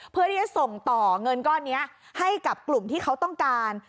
เพื่อที่จะส่งต่อเงินก้อนนี้ให้กับกลุ่มที่เขาต้องการ